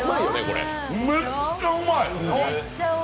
めっちゃうまい！